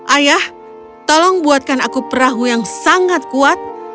ayah tolong buatkan aku perahu yang sangat kuat